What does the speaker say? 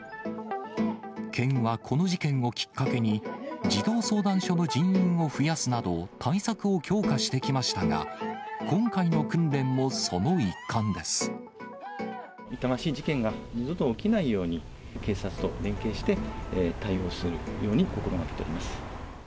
県はこの事件をきっかけに、児童相談所の人員を増やすなど、対策を強化してきましたが、痛ましい事件が二度と起きないように、警察と連携して対応するように心がけております。